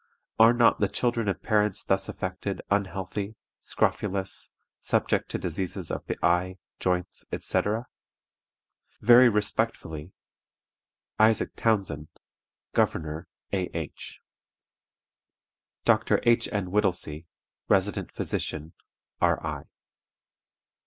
Are not the children of parents thus affected unhealthy, scrofulous, subject to diseases of the eye, joints, etc.? "Very respectfully, "ISAAC TOWNSEND, Governor A. H. "Doctor H. N. WHITTELSEY, Resident Physician, R. I."